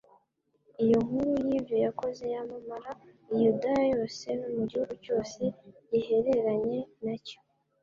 "Iyo nkuru y'ibyo yakoze yamamara i Yudaya yose no mu gihugu cyose gihereranye nacyo."